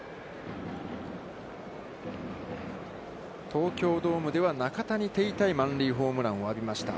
東京ドームでは、中田に手痛い満塁ホームランを浴びました。